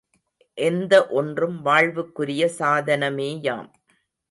எந்த ஒன்றும் வாழ்வுக்குரிய சாதனமேயாம்.